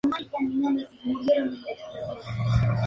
El rey Eduardo "el Confesor" tenía un palacio allí.